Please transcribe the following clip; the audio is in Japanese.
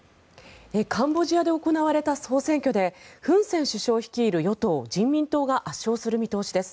カンボジアで行われた総選挙でフン・セン首相率いる与党・人民党が圧勝する見通しです。